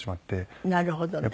なるほどね。